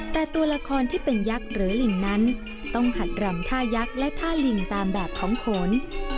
แต่ตัวละครที่เป็นยักษ์หรือลิงนั้นต้องหัดรำท่ายักษ์และท่าลิงตามแบบของโขน